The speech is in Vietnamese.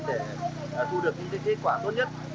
để thu được những kết quả tốt nhất